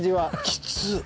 きつっ！